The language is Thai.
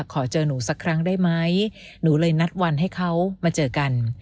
ขอเจอหนูสักครั้งได้ไหมหนูเลยนัดวันให้เขามาเจอกัน